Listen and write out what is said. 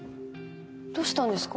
どうしたんですか？